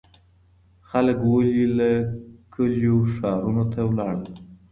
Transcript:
خلګ ولي له کلیو ښارونو ته لاړل؟